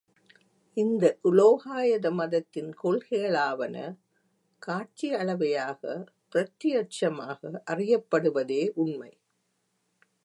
இந்த உலோகாயத மதத்தின் கொள்கைகளாவன காட்சியளவையாக பிரத்தியட்சமாக அறியப்படுவதே உண்மை.